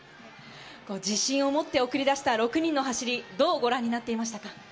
自信を持って送り出した６人の走り、どうご覧になっていましたか？